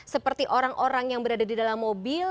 seperti orang orang yang berada di dalam mobil